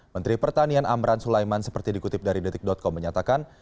menteri pertanian amran sulaiman seperti dikutip dari detik com menyatakan